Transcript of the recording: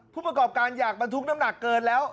ผู้ประกอบการอยากบรรทุกน้ำหนักเกินแล้ว